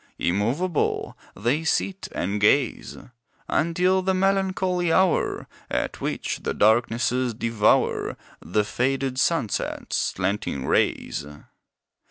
Immovable, they sit and gaze, Until the melancholy hour, At which the darknesses devour The faded sunset's slanting rays.